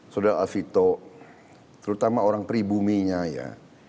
saudara alfito terutama orang pribuminya ya